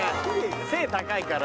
背高いから。